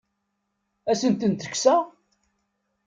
Ad asent-ten-kkseɣ?